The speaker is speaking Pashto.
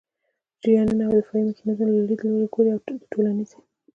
جریانونو او دفاعي میکانیزمونو له لیدلوري ګوري او د ټولنيزې